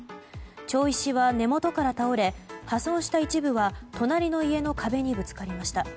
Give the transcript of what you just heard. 町石は根元から倒れ破損した一部は隣の家の壁にぶつかりました。